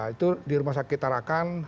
itu di rumah sakit tarakan